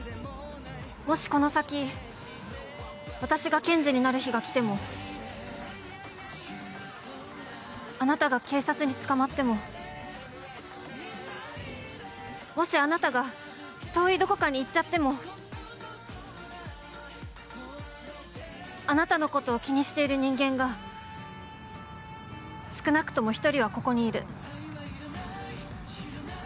もしこの先、私が検事になる日がきても、あなたが警察に捕まってももしあなたが遠いどこかに行っちゃってもあなたのことを気にしている人間が、少なくとも１人はここにいる。